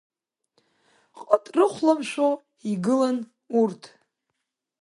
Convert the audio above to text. Ҟыт рыхәлымшәо игылан урҭ.